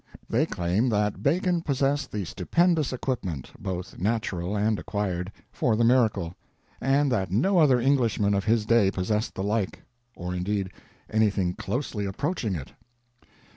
They claim that Bacon possessed the stupendous equipment—both natural and acquired—for the miracle; and that no other Englishman of his day possessed the like; or, indeed, anything closely approaching it.